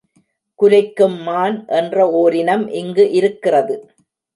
குரைக்கும் மான் என்ற ஓரினம் இங்கு இருக்கிறது.